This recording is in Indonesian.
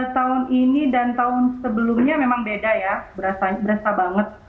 tahun ini dan tahun sebelumnya memang beda ya berasa banget